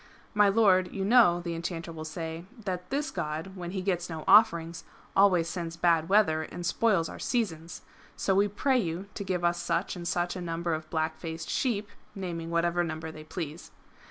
" My Lord, you know," the enchanter will say, " that this god, when he gets no offerings, always sends bad weather and spoils our seasons. So we pray you to give us such and such a number of black faced sheep," naming whatever number they please.